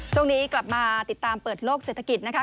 ช่วงนี้กลับมาติดตามเปิดโลกเศรษฐกิจนะคะ